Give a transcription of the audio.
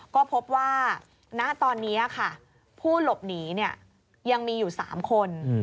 ก็พบว่าณตอนนี้ค่ะผู้หลบหนียังมีอยู่๓คน